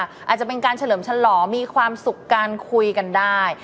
อาจจะเป็นการเฉลิมฉลองมีความสุขการคุยกันได้